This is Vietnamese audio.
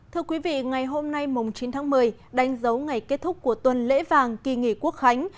thưa quý vị ngày hôm nay chín tháng một mươi đánh dấu ngày kết thúc của tuần lễ vàng kỳ nghỉ quốc khánh